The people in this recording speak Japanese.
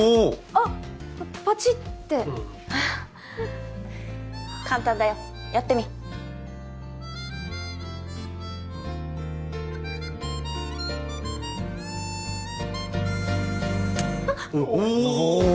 あっパチッて簡単だよやってみあっおお！